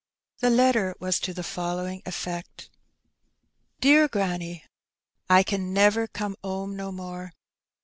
The letter was to the following effect: — ''Deer Gbany, — I ken never come 'ome no more.